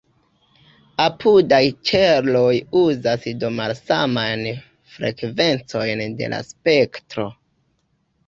Apudaj ĉeloj uzas do malsamajn frekvencojn de la spektro.